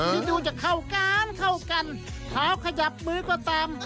ที่ดูจะเข้ากันเข้ากันเท้าขยับมือก็ตาม